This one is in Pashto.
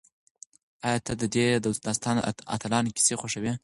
ایا ته د دې داستان د اتلانو کیسې خوښوې؟